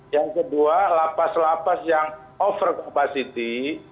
yang kedua la paz la paz yang over capacity